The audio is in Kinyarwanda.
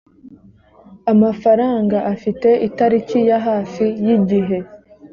amafaranga afite itariki ya hafi y igihe